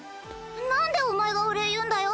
なんでお前がお礼言うんだよ！